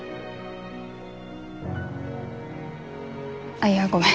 あっいやごめん。